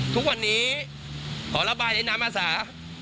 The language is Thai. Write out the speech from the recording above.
ทุกวันนี้ขอระบายในน้ำอาสา